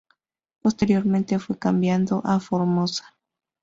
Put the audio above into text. Posteriormente fue cambiado a Formosa.